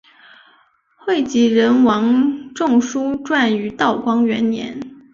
会稽人王仲舒撰于道光元年。